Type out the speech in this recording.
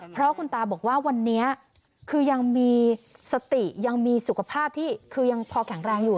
เพราะคุณตาบอกว่าวันนี้คือยังมีสติยังมีสุขภาพที่คือยังพอแข็งแรงอยู่